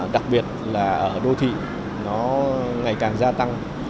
đặc biệt là ở đô thị nó ngày càng gia tăng